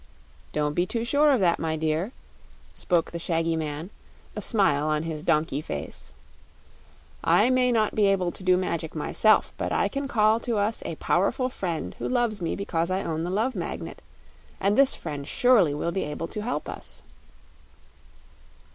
"Don't be too sure of that, my dear," spoke the shaggy man, a smile on his donkey face. "I may not be able to do magic myself, but I can call to us a powerful friend who loves me because I own the Love Magnet, and this friend surely will be able to help us."